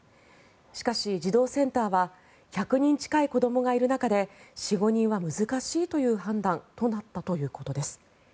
しかし、児童センターは１００人近い子どもがいる中で４５人は難しいという判断になったということです。